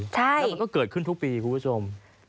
แล้วมันก็เกิดขึ้นทุกปีคุณผู้ชม